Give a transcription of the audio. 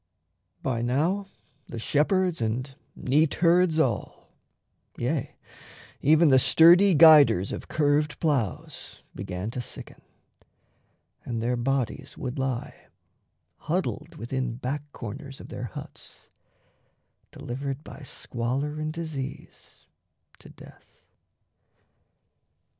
By now the shepherds and neatherds all, Yea, even the sturdy guiders of curved ploughs, Began to sicken, and their bodies would lie Huddled within back corners of their huts, Delivered by squalor and disease to death.